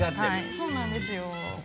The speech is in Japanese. そうなんですよ。